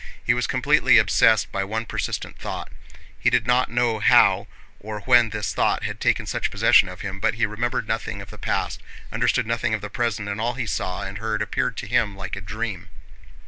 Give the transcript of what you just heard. He was completely obsessed by one persistent thought. He did not know how or when this thought had taken such possession of him, but he remembered nothing of the past, understood nothing of the present, and all he saw and heard appeared to him like a dream.